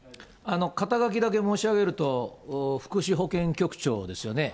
肩書だけ申し上げると、福祉保健局長ですよね。